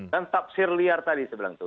dan tafsir liar tadi saya bilang itu